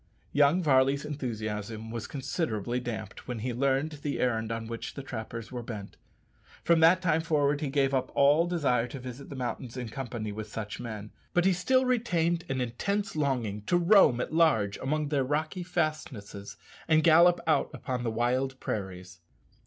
Young Varley's enthusiasm was considerably damped when he learned the errand on which the trappers were bent. From that time forward he gave up all desire to visit the mountains in company with such men, but he still retained an intense longing to roam at large among their rocky fastnesses and gallop out upon the wide prairies.